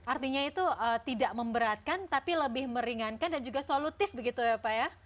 artinya itu tidak memberatkan tapi lebih meringankan dan juga solutif begitu ya pak ya